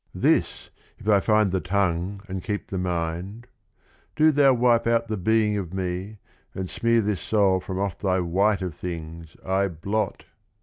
This, if I find the tongue and keep the mind — 'Do Thou wipe out the being of me, and smear This soul from off Thy white of things, I blot